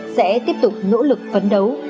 sẽ tiếp tục nỗ lực phấn đấu